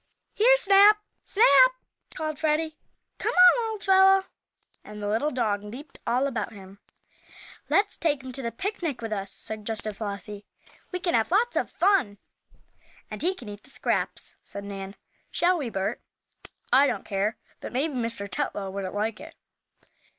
"Here, Snap! Snap!" called Freddie. "Come on, old fellow!" and the dog leaped all about him. "Let's take him to the picnic with us," suggested Flossie. "We can have lots of fun." "And he can eat the scraps," said Nan. "Shall we, Bert?" "I don't care. But maybe Mr. Tetlow wouldn't like it."